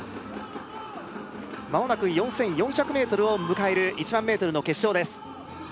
間もなく４４００ｍを迎える１００００ｍの決勝です